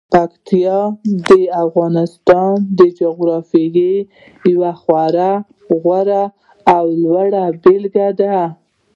پکتیکا د افغانستان د جغرافیې یوه خورا غوره او لوړه بېلګه ده.